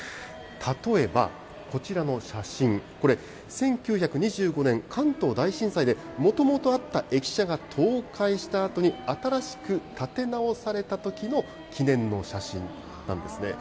例えば、こちらの写真、これ、１９２５年、関東大震災でもともとあった駅舎が倒壊したあとに、新しく建て直されたときの記念の写真なんですね。